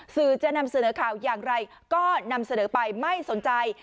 สื่อจะนำเสนอข่าวอย่างไรก็นำเสนอไปไม่สนใจ